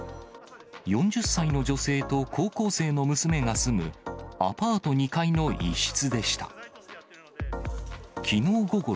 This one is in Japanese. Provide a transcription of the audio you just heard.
４０歳の女性と高校生の娘が住むアパート２階の一室でした。